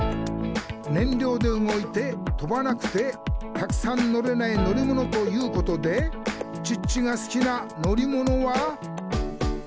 燃料で動いて飛ばなくてたくさん乗れない乗り物ということでチッチが好きな乗り物は。